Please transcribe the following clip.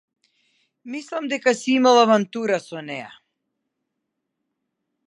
Мислам дека си имал авантура со неа.